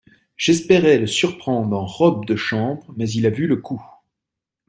J'espérais le surprendre en robe de chambre ; mais il a vu le coup.